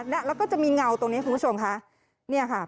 แล้วก็จะมีเงาตรงนี้คุณผู้ชมค่ะ